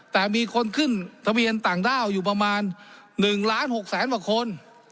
แต่มีคนขึ้นทะเบียนต่างด้าวอยู่ประมาณ๑ล้าน๖แสนกว่าคน